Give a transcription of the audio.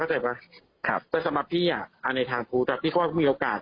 แต่สำหรับพี่อ่ะอันในทางพูดพี่ก็ว่ามีโอกาส